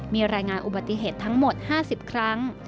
มีรายงานอุบัติเหตุทั้งหมด๕๐ครั้ง